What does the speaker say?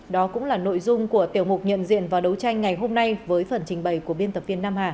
đó cũng là nội dung của tiểu mục nhận diện và đấu tranh ngày hôm nay với phần trình bày của biên tập viên nam hà